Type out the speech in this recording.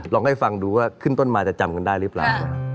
ลองให้ฟังดูว่าขึ้นต้นมาจะจำกันได้หรือเปล่า